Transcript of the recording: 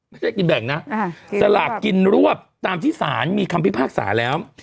ไม่ใช่กินแบ่งนะสลากกินรวบตามที่สารมีคำพิพากษาแล้ว